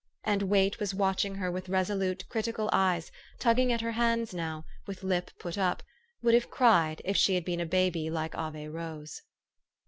And Wait was watching her with resolute, critical eyes, tug ging at her hands now, with lip put up ; would have cried, if she had been a bab} r like Ave Rose.